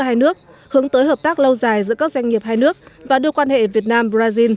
hai nước hướng tới hợp tác lâu dài giữa các doanh nghiệp hai nước và đưa quan hệ việt nam brazil